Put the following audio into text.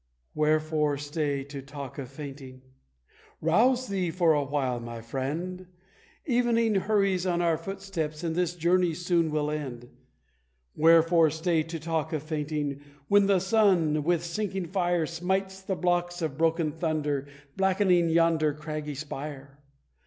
"Wherefore stay to talk of fainting? rouse thee for awhile, my friend; Evening hurries on our footsteps, and this journey soon will end. Wherefore stay to talk of fainting, when the sun, with sinking fire, Smites the blocks of broken thunder, blackening yonder craggy spire?